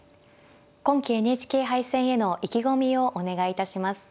今期ＮＨＫ杯戦への意気込みをお願いいたします。